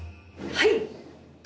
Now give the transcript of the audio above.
はい！